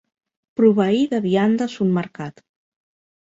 Proveir de viandes un mercat.